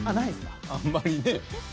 あんまりね。